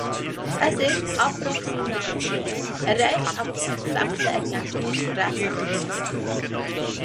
Es ist approximativ, erreicht aber das exakte Ergebnis recht genau.